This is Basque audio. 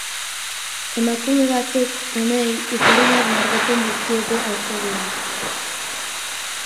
Emakume batzuk umeei ikurrinak margotzen dizkiete aurpegian.